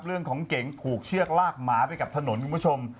เรื่องของเก๋งขูกเชือกลากหมาไปกับถนนคุณผู้ชม